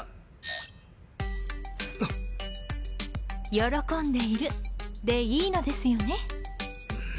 喜んでいるでいいのですよね？